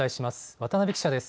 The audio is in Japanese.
渡辺記者です。